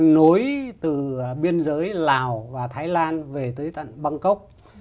nối từ biên giới lào và thái lan về tới tận bangkok